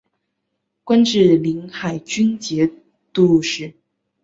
官至临海军节度使。